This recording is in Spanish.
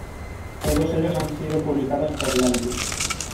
Todos ellos han sido publicados por Lantis.